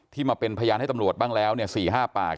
มาเป็นพยานให้ตำรวจบ้างแล้ว๔๕ปาก